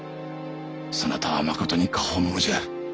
そなたはまことに果報者じゃ。